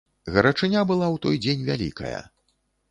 Гарачыня была ў той дзень вялікая.